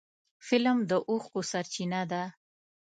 فلم د اوښکو سرچینه ده